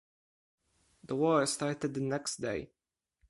The war started the next day.